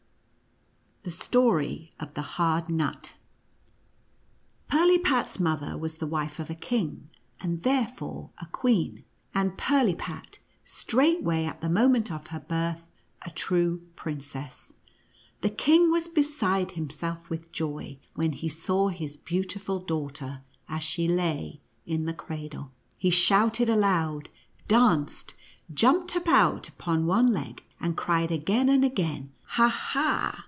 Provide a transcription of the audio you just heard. THE STORY OF THE HARD NUT. Pielepat's mother was the wife of a king, and therefore a queen, and Pirlipat straightway at the moment of her birth a true princess. The king was beside himself with joy, when he saw his beautiful daughter, as she lay in the cradle. He shouted aloud, danced, jumped about irpon one leg, and cried again and again, " Ha ! ha